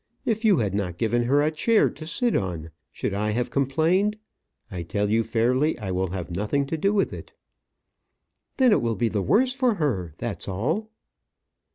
If you had not given her a chair to sit on, should I have complained? I tell you fairly, I will have nothing to do with it." "Then it will be the worse for her that's all."